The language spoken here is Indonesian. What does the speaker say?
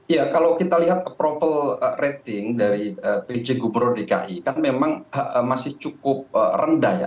ya kalau kita lihat approval rating dari pj gubernur dki kan memang masih cukup rendah ya